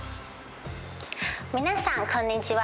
皆さんこんにちは。